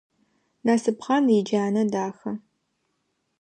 Насыпхъан иджанэ дахэ.